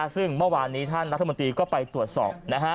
ซึ่งเมื่อวานนี้ท่านรัฐมนตรีก็ไปตรวจสอบ